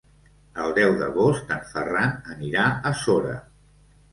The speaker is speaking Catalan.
El deu d'agost en Ferran anirà a Sora.